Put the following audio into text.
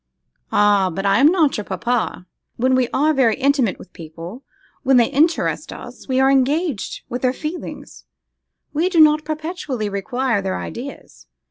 'Ah! but I am not your papa; when we are very intimate with people, when they interest us, we are engaged with their feelings, we do not perpetually require their ideas.